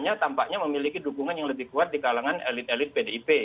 hanya tampaknya memiliki dukungan yang lebih kuat di kalangan elit elit pdip